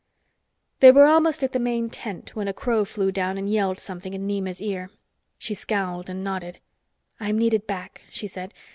They were almost at the main tent when a crow flew down and yelled something in Nema's ear. She scowled, and nodded. "I'm needed back," she said.